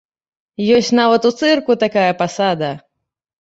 Ёсць нават у цырку такая пасада!